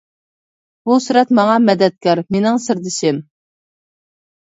بۇ سۈرەت ماڭا مەدەتكار، مىنىڭ سىردىشىم.